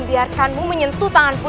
jangan lupa berlangganan